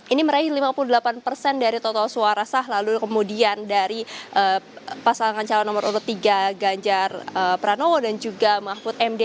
ini meraih lima puluh delapan persen dari total suara sah lalu kemudian dari pasangan calon nomor urut tiga ganjar pranowo dan juga mahfud md